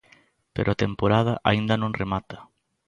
Pero a temporada aínda non remata.